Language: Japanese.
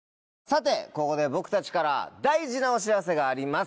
さてここで僕たちから大事なお知らせがあります。